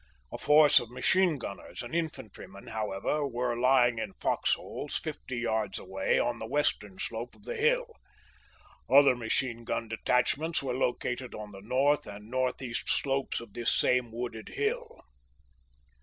A force of machine gunners and infantrymen, how ever, were lying in fox holes fifty yards away on the west ern slope of the hill. Other machine gun detachments were located on the north and northeast slopes of this same wooded hill.